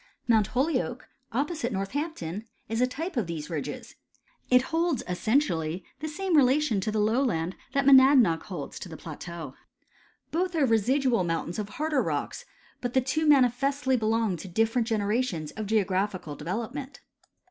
Mount Holyoke, opposite Northampton, is a type of these ridges. It holds essentially the same relation to the lowland that Monadnock holds to the plateau. Both are residual mountains of harder rocks; but the two manifestly belong to different generations of geographical development.